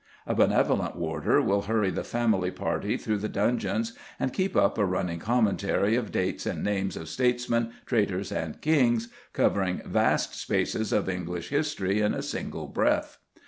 A benevolent warder will hurry the family party through the dungeons, and keep up a running commentary of dates and names of statesmen, traitors, and kings, covering vast spaces of English history in a single breath.